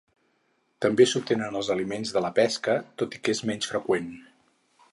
També s’obtenen els aliments de la pesca, tot i que és menys freqüent.